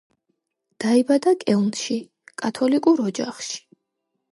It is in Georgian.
დაიბადა კელნში, კათოლიკურ ოჯახში.